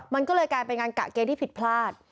มันก็เลยกลายเป็นงานกะเกณฑ์ที่ผิดพลาด